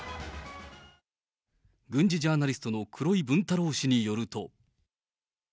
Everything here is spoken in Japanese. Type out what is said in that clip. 軍事ジャーナリストの黒井文太郎氏によると。